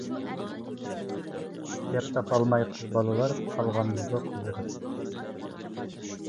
گەپ تاپالماي قىز بالىلار، قالغانمىدۇ قىزىرىپ.